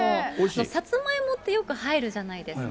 サツマイモってよく入るじゃないですか。